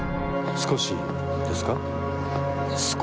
少しです。